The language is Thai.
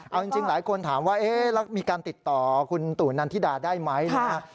เอาจริงหลายคนถามว่าเอ๊ะแล้วมีการติดต่อคุณตู่นันทิดาได้ไหมนะฮะ